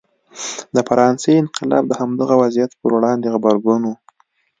د فرانسې انقلاب د همدغه وضعیت پر وړاندې غبرګون و.